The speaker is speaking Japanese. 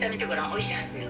おいしいはずよ。